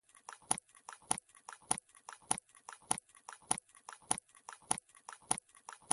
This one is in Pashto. ډیجیټل بانکوالي په افغانستان کې د پیسو لیږد خورا اسانه کوي.